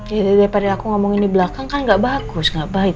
ya daripada aku ngomongin di belakang kan gak bagus gak baik